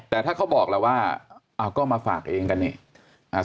แต่ถ้าเค้าบอกแล้วว่าก็มาฝากเองกันเนี่ย